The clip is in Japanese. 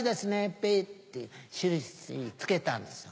ペッて印付けたんですよ。